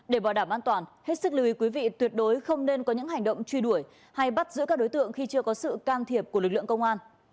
để bảo đảm an toàn hết sức lưu ý quý vị tuyệt đối không nên có những hành động truy đuổi hay bắt giữ các đối tượng khi chưa có sự can thiệp của lực lượng công an